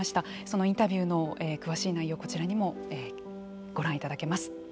そのインタビューの詳しい内容はこちらにもご覧いただけます。